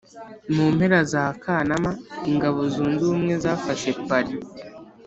mu mpera za kanama, ingabo zunze ubumwe zafashe paris.